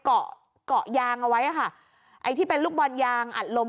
เกาะเกาะยางเอาไว้อ่ะค่ะไอ้ที่เป็นลูกบอลยางอัดลม